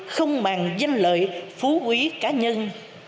không màng danh lợi phú quý cá nhân